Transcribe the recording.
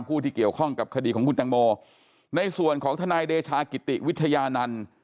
ผู้ที่เกี่ยวข้องกับคดีของคุณตังโมในส่วนของทนายเดชากิติวิทยานันต์